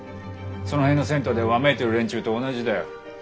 その辺の銭湯でわめいている連中と同じだよ。